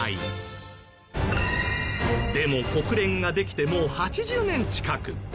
でも国連ができてもう８０年近く。